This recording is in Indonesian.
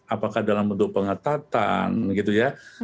apakah dalam bentuk pengetatan gitu ya